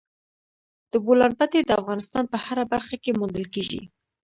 د بولان پټي د افغانستان په هره برخه کې موندل کېږي.